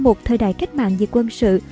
một thời đại cách mạng về quân sự